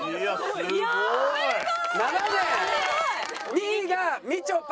２位がみちょぱ。